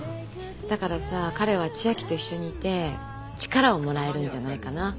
だからさ彼は千明と一緒にいて力をもらえるんじゃないかな？